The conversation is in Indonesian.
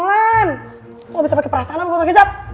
gua gak bisa pake perasaan apa botol kecap